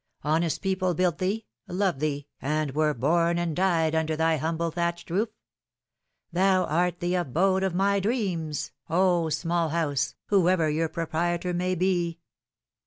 Honest people built thee, loved thee, and were born and died under thy humble thatched roof! Thou art the abode of my dreams, oh! small house, whoever your proprietor may be!